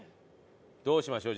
どうしましょう？